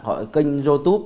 họ kênh youtube